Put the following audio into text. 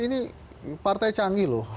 ini partai canggih loh